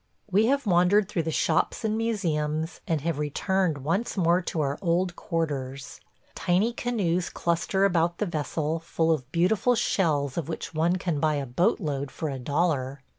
We have wandered through the shops and museums, and have returned once more to our old quarters. Tiny canoes cluster about the vessel, full of beautiful shells of which one can buy a boat load for a dollar.